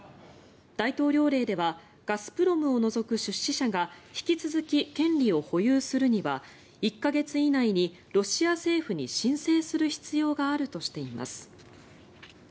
大統領令ではガスプロムを除く出資者が引き続き権利を保有するには１か月以内にロシア政府に申請する必要があるとしています。